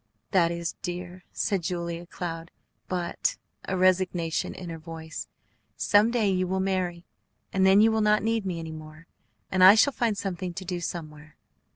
"That is dear," said Julia Cloud; "but" a resignation in her voice "some day you will marry, and then you will not need me any more and I shall find something to do somewhere."